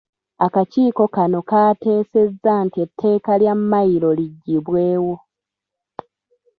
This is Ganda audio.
Akakiiko kano kaateesezza nti ettaka lya Mmayiro liggyibwewo.